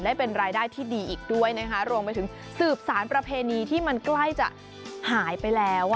ได้เป็นรายได้ที่ดีอีกด้วยนะคะรวมไปถึงสืบสารประเพณีที่มันใกล้จะหายไปแล้ว